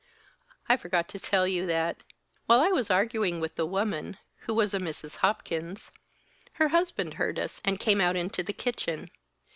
"I forgot to tell you that. While I was arguing with the woman, who was a Mrs. Hopkins, her husband heard us and came out into the kitchen.